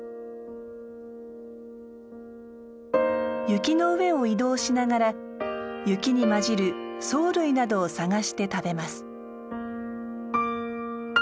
雪の上を移動しながら雪にまじる藻類などを探して食べます。